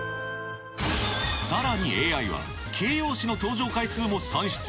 さらにＡＩは、形容詞の登場回数も算出。